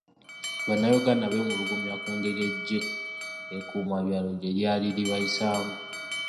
Bannayuganda beemulugunya ku ngeri eggye ekkuumabyalo gye lyali libayisaamu.